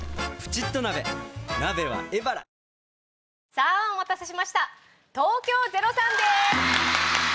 さぁお待たせしました東京０３です。